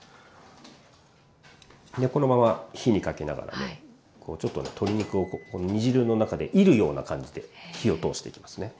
でこのまま火にかけながらねこうちょっとね鶏肉をこの煮汁の中でいるような感じで火を通していきますね。